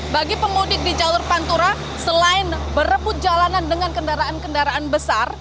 bagi pemudik di jalur pantura selain berebut jalanan dengan kendaraan kendaraan besar